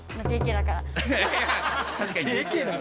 確かに。